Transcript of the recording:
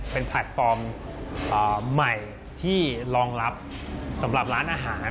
เป็นแพลตฟอร์มใหม่ที่รองรับสำหรับร้านอาหาร